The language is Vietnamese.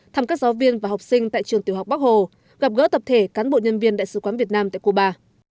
thăm các giáo viên và học sinh tại trường tiểu học bắc hồ gặp gỡ tập thể cán bộ nhân viên đại sứ quán việt nam tại cuba